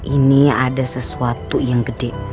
ini ada sesuatu yang gede